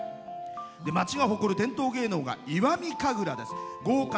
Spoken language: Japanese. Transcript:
町が誇る伝統芸能が石見神楽です。